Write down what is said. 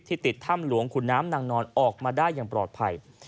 ติดถ้ำหลวงขุนน้ำนางนอนออกมาได้อย่างปลอดภัย